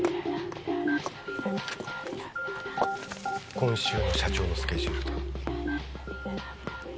今週の社長のスケジュールだ